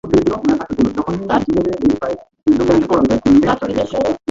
তার নিজস্ব ছাপাখানায় রাজনৈতিক ও জাতীয়তাবাদী পুস্তক প্রকাশ হত।